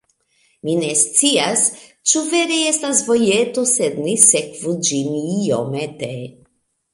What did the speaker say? Mi ne scias, ĉu vere estas vojeto, sed ni sekvu ĝin iomete.